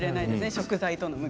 食材との。